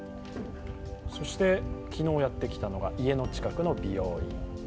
そして昨日やってきたのが家の近くの美容院。